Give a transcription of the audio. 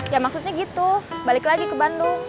ya maksudnya gitu balik lagi ke bandung